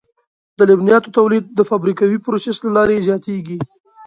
د لبنیاتو تولید د فابریکوي پروسس له لارې زیاتېږي.